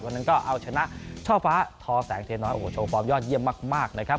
นั้นก็เอาชนะช่อฟ้าทอแสงเทน้อยโอ้โหโชว์ฟอร์มยอดเยี่ยมมากนะครับ